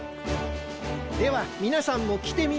ではみなさんもきてみましょう。